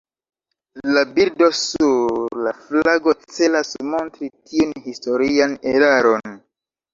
La birdo sur la flago celas montri tiun historian eraron.